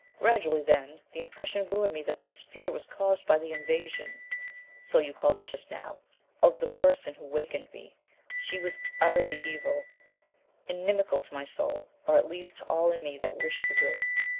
Gradually, then, the impression grew in me that this fear was caused by the invasion so you called it just now of the 'person' who had wakened me; she was utterly evil; inimical to my soul, or at least to all in me that wished for good.